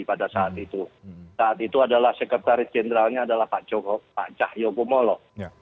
pada saat itu saat itu adalah sekretaris jenderalnya adalah pak cahyokumolo